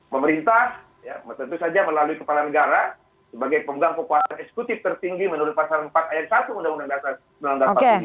pemerintah tentu saja melalui kepala negara sebagai pemegang kekuasaan eksekutif tertinggi menurut pasal empat ayat satu undang undang dasar seribu sembilan ratus empat puluh lima